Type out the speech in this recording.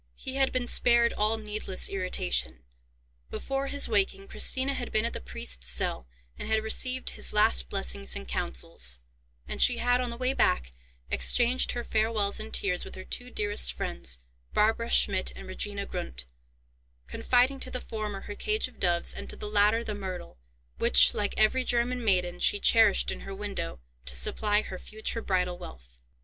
He had been spared all needless irritation. Before his waking, Christina had been at the priest's cell, and had received his last blessings and counsels, and she had, on the way back, exchanged her farewells and tears with her two dearest friends, Barbara Schmidt, and Regina Grundt, confiding to the former her cage of doves, and to the latter the myrtle, which, like every German maiden, she cherished in her window, to supply her future bridal wreath.